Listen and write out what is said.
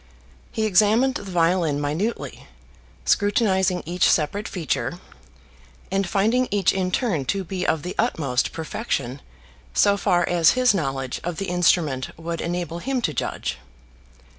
He examined the violin minutely, scrutinising each separate feature, and finding each in turn to be of the utmost perfection, so far as his knowledge of the instrument would enable him to judge.